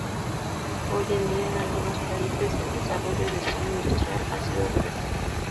Hoy en día, en algunos países, el desarrollo de estilo industrial ha sido revertido.